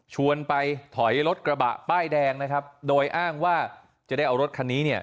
ไปถอยรถกระบะป้ายแดงนะครับโดยอ้างว่าจะได้เอารถคันนี้เนี่ย